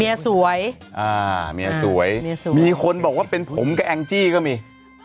เมียสวยอ่าเมียสวยเมียสวยมีคนบอกว่าเป็นผมกับแองจี้ก็มี